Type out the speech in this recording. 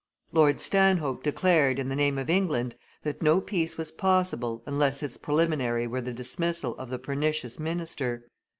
Lord Stanhope declared, in the name of England, that no peace was possible, unless its preliminary were the dismissal of the pernicious minister.